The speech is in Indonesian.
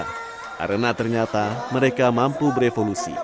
karena ternyata mereka mampu berevolusi